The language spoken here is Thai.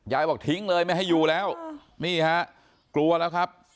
บอกทิ้งเลยไม่ให้อยู่แล้วนี่ฮะกลัวแล้วครับ